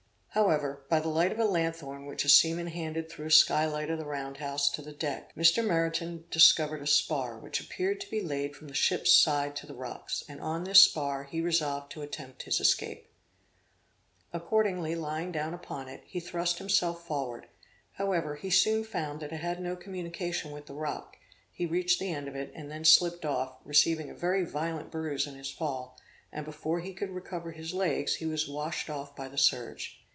However, by the light of a lanthorn which a seaman handed through a sky light of the round house to the deck, Mr. Meriton discovered a spar which appeared to be laid from the ship's side to the rocks, and on this spar he resolved to attempt his escape. Accordingly lying down upon it, he thrust himself forward; however, he soon found that it had no communication with the rock; he reached the end of it and then slipped off, receiving a very violent bruise in his fall, and before he could recover his legs, he was washed off by the surge.